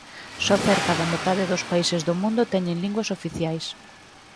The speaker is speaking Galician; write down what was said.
Só cerca de metade dos países do mundo teñen linguas oficiais.